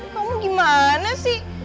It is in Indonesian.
kamu gimana sih